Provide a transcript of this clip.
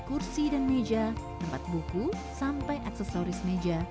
kursi dan meja tempat buku sampai aksesoris meja